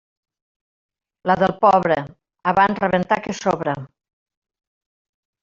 La del pobre: abans rebentar que sobre.